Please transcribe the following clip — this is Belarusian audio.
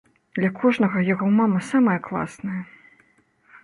Для кожнага яго мама самая класная.